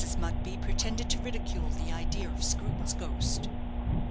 Mugby pretended to ridicule the idea of Screwton's ghost.